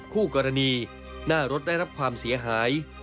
คู่กรณีหน้ารถได้รับความเสียหาย